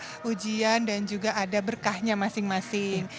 ada ujian dan juga ada berkahnya masing masing